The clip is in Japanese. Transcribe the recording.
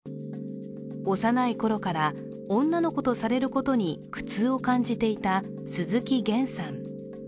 幼いころから、女の子とされることに苦痛を感じていた鈴木げんさん。